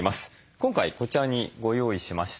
今回こちらにご用意しました。